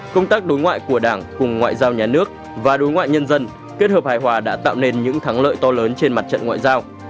công tác đối ngoại của đảng cùng ngoại giao nhà nước và đối ngoại nhân dân kết hợp hài hòa đã tạo nên những thắng lợi to lớn trên mặt trận ngoại giao